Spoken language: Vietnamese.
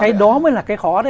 thầy đó mới là cái khó đấy ạ